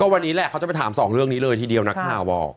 วันนี้แหละเขาจะไปถามสองเรื่องนี้เลยทีเดียวนักข่าวบอก